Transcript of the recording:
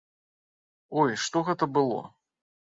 Ой, што гэта было?